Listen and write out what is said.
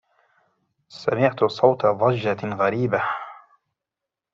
سمعت صوت ضجة غريبة.